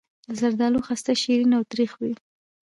د زردالو خسته شیرین او تریخ وي.